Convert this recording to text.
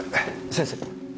先生！